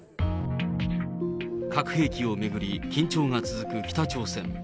核兵器を巡り、緊張が続く北朝鮮。